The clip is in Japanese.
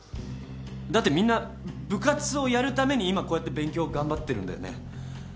だってみんな部活をやるために今こうやって勉強頑張ってるんだよね。